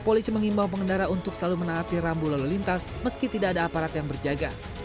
polisi mengimbau pengendara untuk selalu menaati rambu lalu lintas meski tidak ada aparat yang berjaga